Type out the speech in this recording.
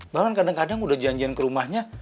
bahkan kadang kadang udah janjian ke rumahnya